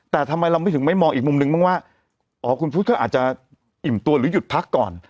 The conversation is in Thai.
แต่ทำไมเราไม่ถึงไม่มองอีกมุมนึงบ้างว่าอ๋อคุณพุทธเขาอาจจะอิ่มตัวหรือหยุดพักก่อน